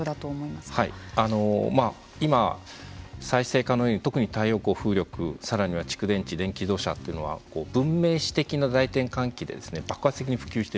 まあ今再生可能エネルギー特に太陽光風力更には蓄電池電気自動車っていうのは文明史的な大転換期で爆発的に普及しています。